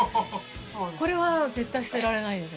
これは絶対捨てられないです。